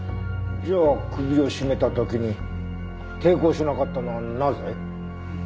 じゃあ首を絞めた時に抵抗しなかったのはなぜ？